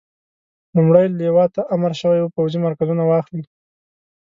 لومړۍ لواء ته امر شوی وو پوځي مرکزونه واخلي.